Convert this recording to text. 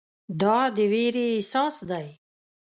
دا د ویرې احساس دی.